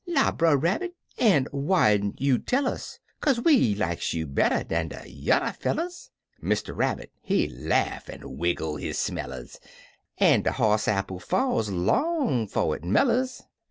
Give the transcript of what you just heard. "" La, Brer RabbttI an' whyn't you tell us ? Kaze we likes you better dan de yuther fellers." Mr. Rabbit, he laugh an' wiggle his smellers, An' " De hoss apple falls long 'fo' it mellers!